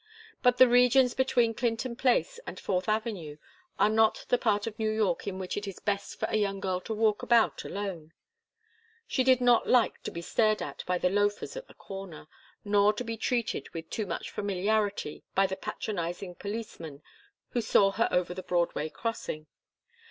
But the regions between Clinton Place and Fourth Avenue are not the part of New York in which it is best for a young girl to walk about alone. She did not like to be stared at by the loafers at the corners, nor to be treated with too much familiarity by the patronizing policeman who saw her over the Broadway crossing.